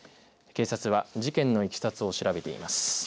警察は事件のいきさつを調べています。